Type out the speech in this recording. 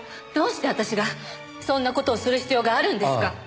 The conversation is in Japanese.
どうして私がそんな事をする必要があるんですか！